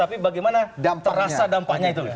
tapi bagaimana terasa dampaknya itu